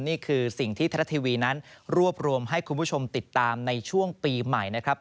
นี่คือสิ่งที่ทรัฐทีวีนั้นรวบรวมให้คุณผู้ชมติดตามในช่วงปีใหม่นะครับ